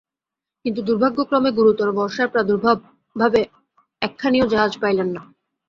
কিন্তু দুর্ভাগ্যক্রমে গুরুতর বর্ষার প্রাদুর্ভাবে একখানিও জাহাজ পাইলেন না।